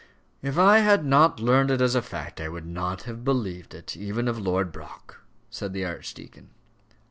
"If I had not learned it as fact, I would not have believed it, even of Lord Brock," said the archdeacon.